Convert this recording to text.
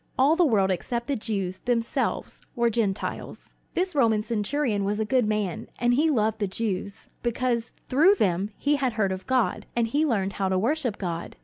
All the world except the Jews themselves were Gentiles. This Roman centurion was a good man, and he loved the Jews, because through them he had heard of God, and had learned how to worship God.